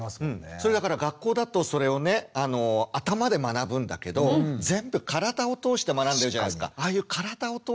それだから学校だとそれをね頭で学ぶんだけど全部体を通して学んでるじゃないですか。